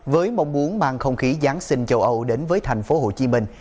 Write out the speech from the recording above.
với mong muốn mang không khí giáng sinh châu âu đến với thành phố hồ chí minh